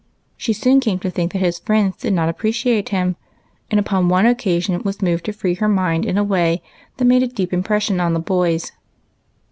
She soon came to think that his friends did not appreciate him, and upon one occasion was moved to free her mind in a way that made a deep impression on the boys.